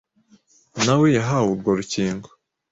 na we yahawe urwo rukingo.